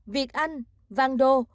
việt anh văn đô